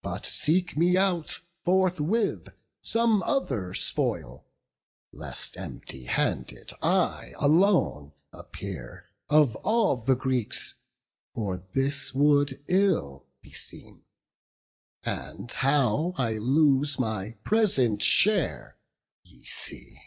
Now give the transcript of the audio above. But seek me out forthwith some other spoil, Lest empty handed I alone appear Of all the Greeks; for this would ill beseem; And how I lose my present share, ye see."